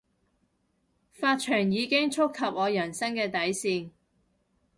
髮長已經觸及我人生嘅底線